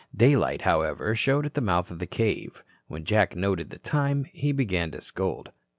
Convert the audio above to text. Day light, however, showed at the mouth of the cave. When Jack noted the time, he began to scold.